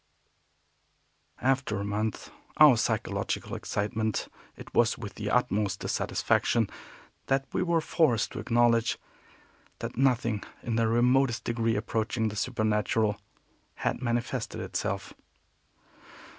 After a month of psychological excitement, it was with the utmost dissatisfaction that we were forced to acknowledge that nothing in the remotest degree approaching the supernatural had manifested itself.